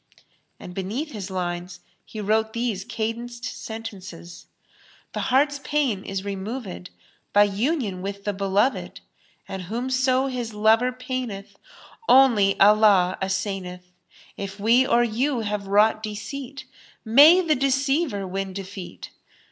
And beneath his lines he wrote these cadenced sentences, "The heart's pain is removed * by union with the beloved * and whomso his lover paineth * only Allah assaineth! * If we or you have wrought deceit * may the deceiver win defeat!